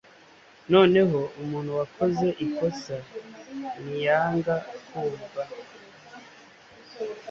Noneho umuntu wakoze ikosa niyanga kumva,